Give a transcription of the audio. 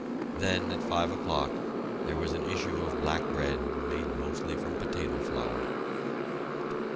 Then at five o'clock there was an issue of black bread made mostly from potato flour.